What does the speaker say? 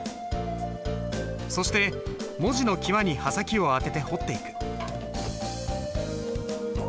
そして文字の際に刃先を当てて彫っていく。